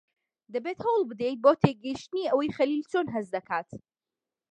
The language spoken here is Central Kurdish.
دەبێت هەوڵ بدەیت بۆ تێگەیشتنی ئەوەی خەلیل چۆن هەست دەکات.